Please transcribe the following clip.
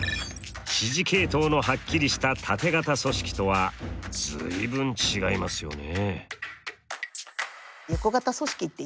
指示系統のはっきりしたタテ型組織とは随分違いますよね。